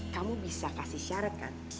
kamu bisa kasih syarat kan